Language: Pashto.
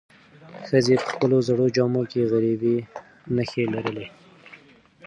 ښځې په خپلو زړو جامو کې د غریبۍ نښې لرلې.